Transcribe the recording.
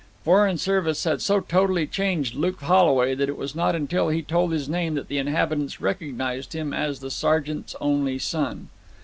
Foreign service had so totally changed Luke Holway that it was not until he told his name that the inhabitants recognized him as the sergeant's only son.